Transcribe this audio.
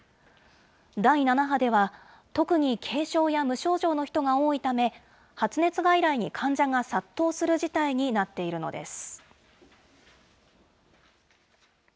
第７波では、特に軽症や無症状の人が多いため、発熱外来に患者が殺到する事態になっているのです。